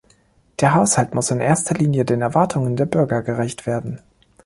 Der Haushalt muss in erster Linie den Erwartungen der Bürger gerecht werden.